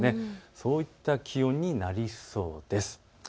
そういった気温になりそうです。